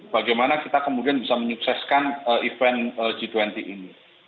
bagaimana kita kemudian bisa menyukseskan event g dua puluh ini